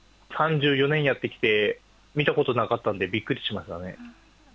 ３４年やってきて見たことなかったんで、びっくりしましたね。